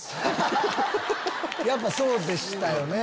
やっぱそうでしたよね。